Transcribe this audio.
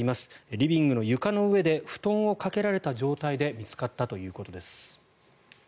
リビングの床の上で布団をかけられた状態で見つかったということです。